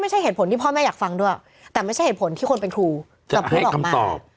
เหตุผลที่พ่อแม่อยากฟังด้วยแต่ไม่ใช่เหตุผลที่คนเป็นครูจะพูดออกมา